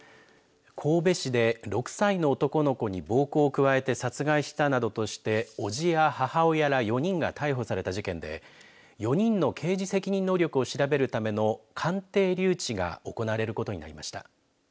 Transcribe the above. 神戸市で６歳の男の子に暴行を加えて殺害したなどとして叔父や母親ら４人が逮捕された事件で４人の刑事責任能力を調べるための鑑定留置が行われることになりました。